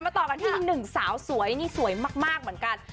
มาต่อกันที่๑สาวสวยนี่สวยมากเหมือนกัน